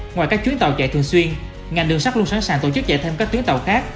ngoài các chuyến tàu chạy thường xuyên ngành đường sắt luôn sẵn sàng tổ chức chạy thêm các tuyến tàu khác